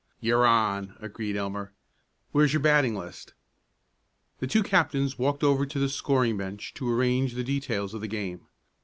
"You're on!" agreed Elmer. "Where's your batting list?" The two captains walked over to the scoring bench to arrange the details of the game.